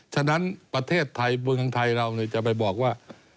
ฉะนั้นประเทศไทยเมืองไทยเราจะไปบอกว่า